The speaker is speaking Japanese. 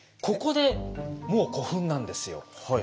ここでもう「古墳」なんですよ。